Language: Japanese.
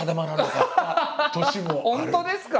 本当ですか？